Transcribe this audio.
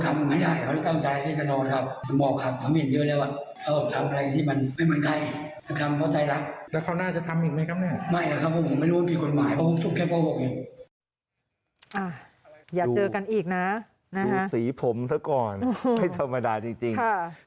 ไม่นะครับผมไม่รู้ว่าผิดกฎหมายเพราะว่าชุดแค่เพราะหกอีก